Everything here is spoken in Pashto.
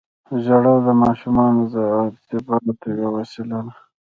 • ژړا د ماشومانو د ارتباط یوه وسیله ده.